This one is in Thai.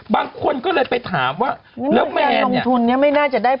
บางคนต้องถามว่า